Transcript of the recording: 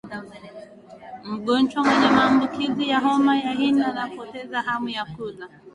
mgonjwa mwenye maambukizi ya homa ya ini anapoteza hamu ya kula